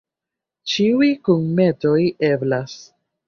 Ĉiuj kunmetoj eblas.